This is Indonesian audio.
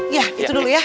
iya itu dulu ya